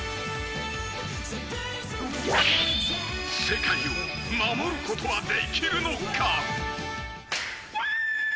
［世界を守ることはできるのか？］